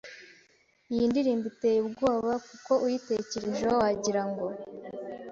” iyi ndirimbo iteye ubwoba kuko uyitekerejeho wagirango